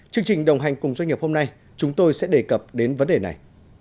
chương trình đồng hành cùng doanh nghiệp hôm nay chúng tôi sẽ đề cập đến vấn đề này